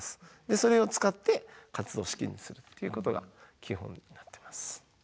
それを使って活動資金にするっていうことが基本になってます。